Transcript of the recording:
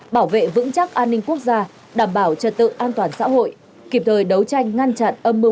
bảo vệ vững chắc an ninh quốc gia đảm bảo trật tự an toàn xã hội kịp thời đấu tranh ngăn chặn âm mưu